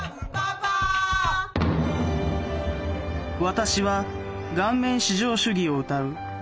「私は顔面至上主義をうたう」。